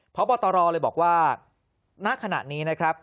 พบตรเลยบอกว่าณขณะนี้นะครับ